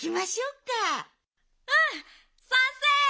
うんさんせい！